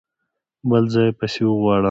بل ځای يې پسې غواړه!